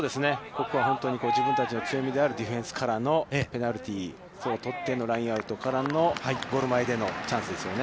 ここは本当に自分たちの強みであるディフェンスからのペナルティー、それをとってのラインアウトからのゴール前でのチャンスですね。